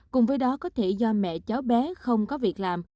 cùng với đó có thể do mẹ cháu bé không có việc làm